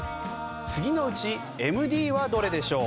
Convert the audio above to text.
次のうちＭＤはどれでしょう？